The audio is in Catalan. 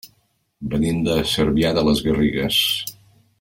Venim de Cervià de les Garrigues.